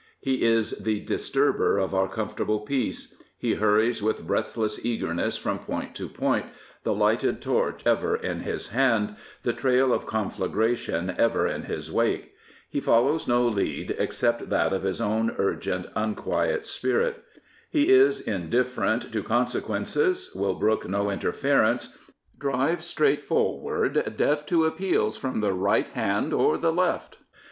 He is the disturber of our comfortable peace. He hurries with breathless eagerness from point to point, the lighted torch ever in his hand, the trail of confla|^ation ever in his wake. He follows no lead, except that of his own urgent, un quiet spirit. He is indifferent to consequences, will brook no interference, drives straight forward, deaf to appeals from the right hand or the left.